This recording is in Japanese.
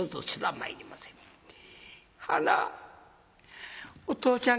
「ハナお父ちゃん